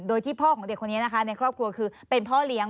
โดยที่พ่อของเด็กคนนี้นะคะในครอบครัวคือเป็นพ่อเลี้ยง